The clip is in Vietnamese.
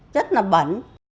rất là bẩn